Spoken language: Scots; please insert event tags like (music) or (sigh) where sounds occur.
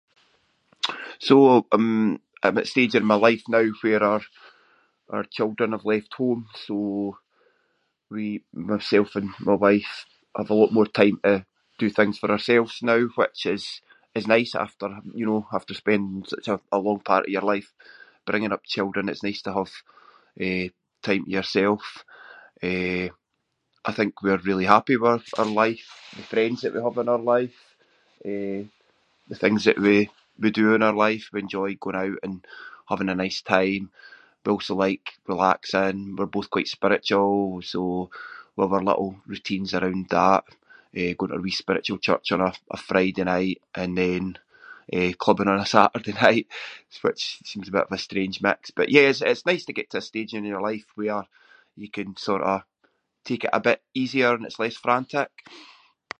So, um, I’m at a stage in my life now where our- our children have left home so we- myself and my wife have a lot more time to do things for ourselves now which is- is nice after having , you know, have to spend such a long part of your life bringing up children, it’s nice to have, eh, time to yourself. Eh, I think we’re really happy with our- our life, the friends that we have in our life, eh, the things that we- we do in our life. We enjoy going out and having a nice time. We also like relaxing, we’re both quite spiritual, so we have our little routines around that, eh, going to our wee spiritual church on a- a Friday night and then, eh, clubbing on a Saturday night (laughs) which seems a bit of a strange mix but yeah, it- it's nice to get to a stage in your life where you can sort of take it a bit easier and it’s less frantic.